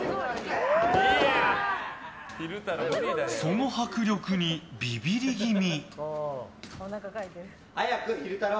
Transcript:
その迫力にビビり気味。